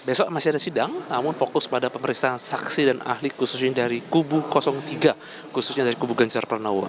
besok masih ada sidang namun fokus pada pemeriksaan saksi dan ahli khususnya dari kubu tiga khususnya dari kubu ganjar pranowo